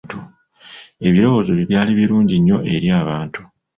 Ebirowoozo bye byali birungi nnyo eri abantu.